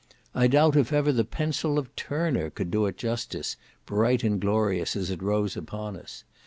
I doubt if ever the pencil of Turner could do it justice, bright and glorious as it rose upon us.